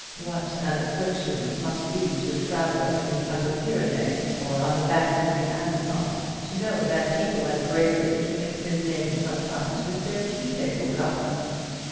What an affliction it must be to a traveller in the Upper Pyrenees, or on the banks of the Amazon, to know that people at Graybridge mix his name sometimes with their tea table gossip!